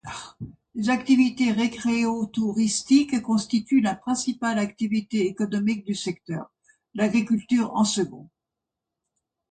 Les activités récréotouristiques constituent la principale activité économique du secteur; l’agriculture, en second.